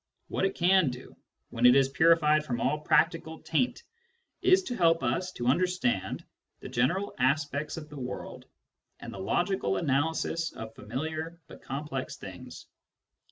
What it can do, when it is purified from all practical taint, is to help us to under stand the general aspects of the world and the logical analysis of familiar but complex things.